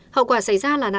hậu quả xảy ra là nạn nhân